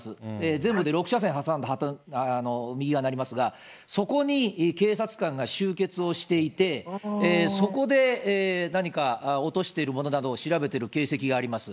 全部で６車線挟んだ右側になりますが、そこに警察官が集結をしていて、そこで何か落としているものなどを調べている形跡があります。